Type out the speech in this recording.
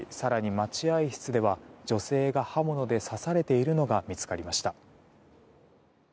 待合室では女性が刃物で刺されているのが見つかりました。